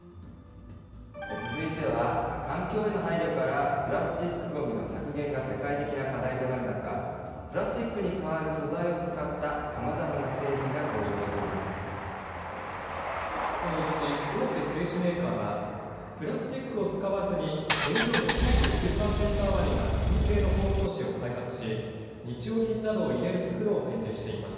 続いては、環境への配慮からプラスチックごみの削減が世界的な課題となる中、プラスチックに代わる素材を使ったさまざまな製品が登場していまこのうち大手製紙メーカーは、プラスチックを使わずに、原料の９９％余りが紙製の包装紙を開発し、日用品などを入れる袋を展示しています。